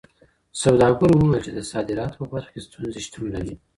سوداګرو وويل چي د صادراتو په برخه کي ستونزي شتون لري.